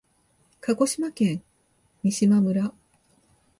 鹿児島県三島村